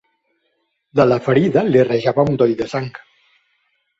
De la ferida li rajava un doll de sang.